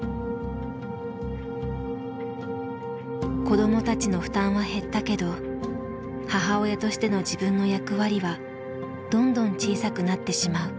子どもたちの負担は減ったけど母親としての自分の役割はどんどん小さくなってしまう。